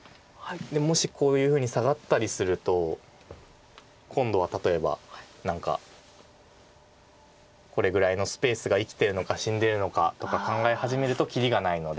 もしこういうふうにサガったりすると今度は例えば何かこれぐらいのスペースが生きてるのか死んでるのかとか考え始めるときりがないので。